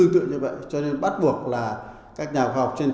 truyền đoán hình ảnh